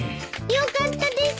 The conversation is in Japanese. よかったです！